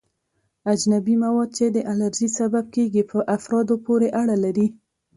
اجنبي مواد چې د الرژي سبب کیږي په افرادو پورې اړه لري.